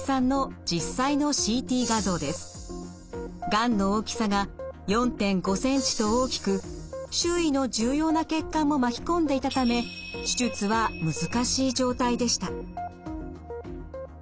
がんの大きさが４．５ｃｍと大きく周囲の重要な血管も巻き込んでいたため手術は難しい状態でした。